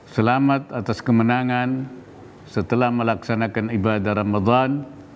selamat atas kemenangan setelah melaksanakan ibadah ramadan